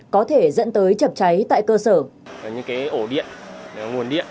có thể dẫn tới chập cháy tại cơ sở